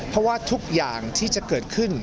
เพราะว่าทุกอย่างที่จะเกิดขึ้น